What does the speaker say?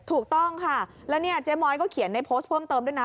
ถูกต้องค่ะแล้วเนี่ยเจ๊ม้อยก็เขียนในโพสต์เพิ่มเติมด้วยนะ